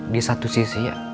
di satu sisi